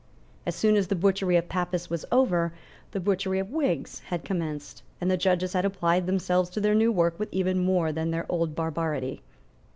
As soon as the butchery of Papists was over, the butchery of Whigs had commenced; and the judges had applied themselves to their new work with even more than their old barbarity.